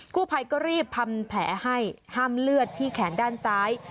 ผู้ภัยก็รีบทำแผลให้ห้ามเลือดที่แขนด้านซ้าย